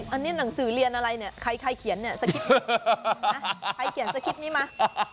อันนี้หนังสือเรียนอะไรเนี่ยใครเขียนเนี่ยสคริปนี้ใครเขียนสคริปต์นี้มา